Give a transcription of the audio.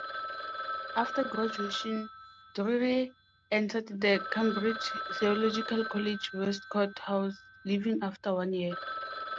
After graduation Drury entered the Cambridge theological college Westcott House, leaving after one year.